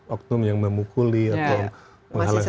oknum yang memukuli atau menghalangi hal hal